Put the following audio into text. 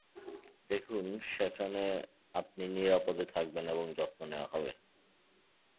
দেখুন, সেখানে আপনি নিরাপদে থাকবেন এবং যত্ন নেওয়া হবে।